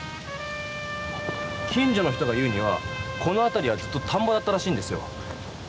近所の人が言うにはこのあたりはずっと田んぼだったらしいんですよ。